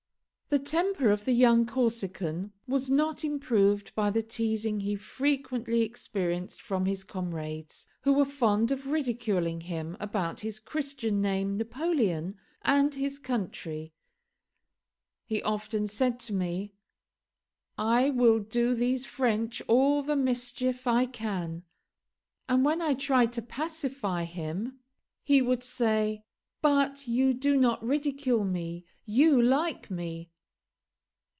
The temper of the young Corsican was not improved by the teasing he frequently experienced from his comrades, who were fond of ridiculing him about his Christian name Napoleon and his country. He often said to me, "I will do these French all the mischief I can;" and when I tried to pacify him he would say, "But you do not ridicule me; you like me."